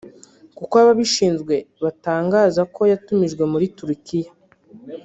kuko ababishinzwe batangaza ko yatumijwe muri Turukiya